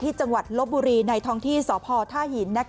จังหวัดลบบุรีในท้องที่สพท่าหิน